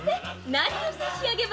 何を差し上げましょう？